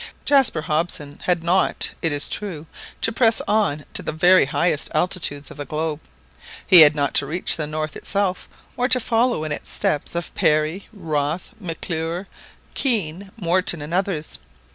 Jaspar Hobson had not, it is true, to press on to the very highest latitudes of the globe,; he had not to reach the pole itself, or to follow in the steps of Parry, Ross, Mc'Clure, Kean, Morton, and others.